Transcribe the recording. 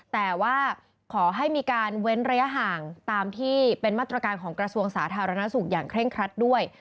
แต่ว่าขอให้มีการเว้นระยะห่างตามที่เป็นมาตรการของกระทรวงสาธารณสุขอย่างเคร่งครัดด้วย